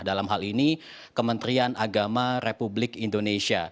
dalam hal ini kementerian agama republik indonesia